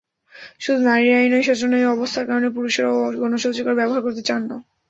শুধু নারীরাই নয়, শোচনীয় অবস্থার কারণে পুরুষেরাও গণশৌচাগার ব্যবহার করতে চান না।